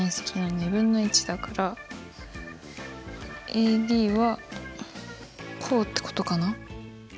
ＡＤはこうってことかな。